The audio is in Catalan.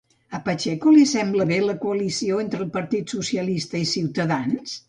A Pacheco li sembla bé la coalició entre el partit socialista i Ciutadans?